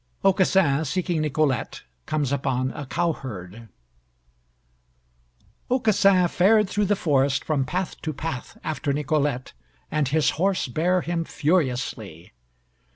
AUCASSIN, SEEKING NICOLETTE, COMES UPON A COWHERD Aucassin fared through the forest from path to path after Nicolette, and his horse bare him furiously.